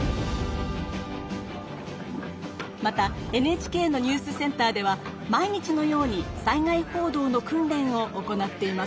またＮＨＫのニュースセンターでは毎日のように災害報道の訓練を行っています。